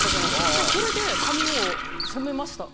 私はそれで髪を染めました。